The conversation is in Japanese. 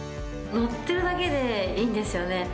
乗ってるだけでいいんですよね。